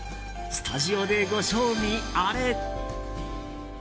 スタジオで、ご賞味あれ！